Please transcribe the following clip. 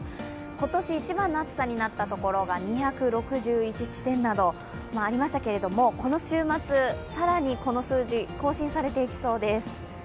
今年一番の暑さになったところが２６１地点などありましたけれどもこの週末、更にこの数字更新されていきそうです。